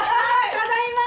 ただいま！